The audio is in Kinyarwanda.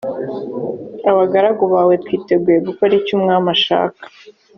abagaragu bawe twiteguye gukora icyo umwami ashaka